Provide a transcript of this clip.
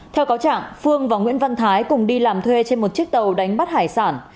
theo cáo trạng phương và nguyễn văn thái cùng đi làm thuê trên một chiếc tàu đánh bắt hải sản